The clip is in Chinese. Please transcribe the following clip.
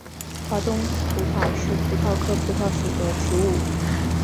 华东葡萄是葡萄科葡萄属的植物。